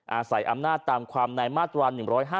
อาศัยอำนาจตามความในมาตรา๑๕